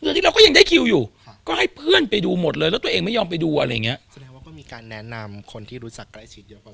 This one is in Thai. เดือนที่แล้วก็ยังได้คิวอยู่ก็ให้เพื่อนไปดูหมดเลยแล้วตัวเองไม่ยอมไปดูอะไรอย่างเงี้ย